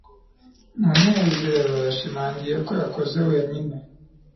munezero yashimangiye ko yakoze wenyine